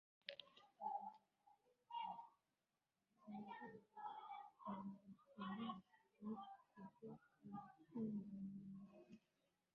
hali kadhalika wawakilishi kutoka nchi mbalimbali